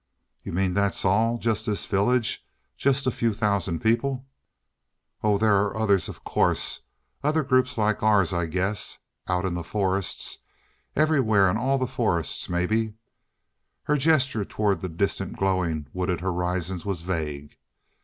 "You mean that's all? Just this village? Just a few thousand people?" "Oh there are others, of course. Other groups like ours, I guess out in the forests everywhere in all the forests, maybe." Her gesture toward the distant, glowing, wooded horizons was vague.